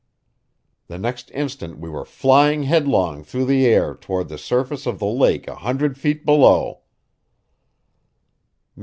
The next instant we were flying headlong through the air toward the surface of the lake a hundred feet below.